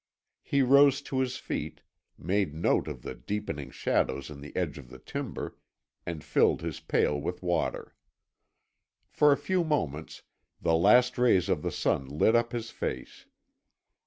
He rose to his feet, made note of the deepening shadows in the edge of the timber, and filled his pail with water. For a few moments the last rays of the sun lit up his face.